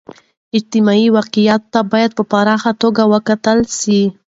اجتماعي واقعیت ته باید په پراخه توګه و کتل سي.